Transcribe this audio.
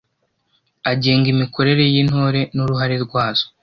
agenga imikorere y’Intore n’uruhare rwazo